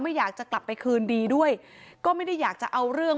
อยากจะกลับไปคืนดีด้วยก็ไม่ได้อยากจะเอาเรื่อง